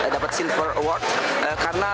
dan telkom indonesia juga